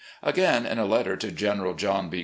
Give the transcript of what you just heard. .. Again, in a letter to General John B.